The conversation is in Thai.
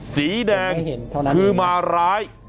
สีแดงคือมาร้าย